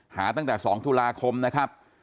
หาตั้งแต่๒ตุลาคมนะครับ